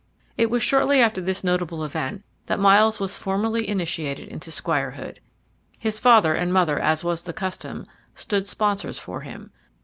It was shortly after this notable event that Myles was formally initiated into squirehood. His father and mother, as was the custom, stood sponsors for him.